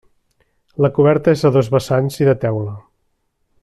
La coberta és a dos vessants i de teula.